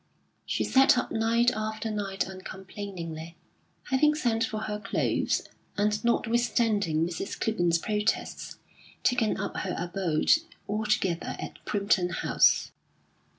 She sat up night after night uncomplainingly; having sent for her clothes, and, notwithstanding Mrs. Clibborn's protests, taken up her abode altogether at Primpton House.